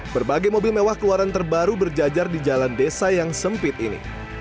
berbagai mobil mewah keluaran terbaru berjajar di jalan desa yang sempit ini